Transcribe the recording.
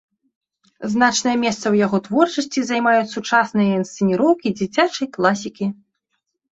Значнае месца ў яго творчасці займаюць сучасныя інсцэніроўкі дзіцячай класікі.